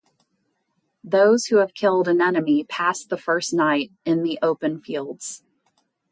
Those who have killed an enemy pass the first night in the open fields.